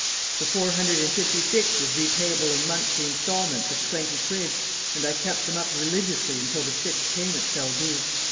The four hundred and fifty six was repayable in monthly instalments of twenty quid, and I kept them up religiously until the sixth payment fell due.